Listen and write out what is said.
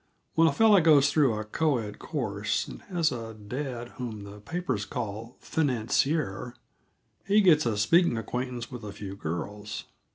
When a fellow goes through a co ed course, and has a dad whom the papers call financier, he gets a speaking acquaintance with a few girls.